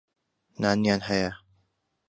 نانیان هەیە.